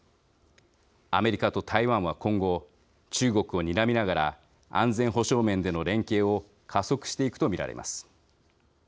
アメリカと台湾は今後中国をにらみながら安全保障面での連携を加速していくと見られます。